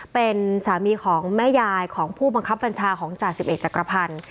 เป็นสามีของแม่ยายของผู้บังคับบัญชาของจ่าสิบเอกจักรพันธ์